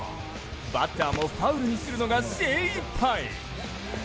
バッターもファウルにするのが精いっぱい。